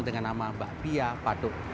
dengan nama mbak pia patung